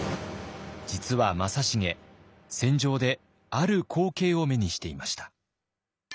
実は正成戦場である光景を目にしていました。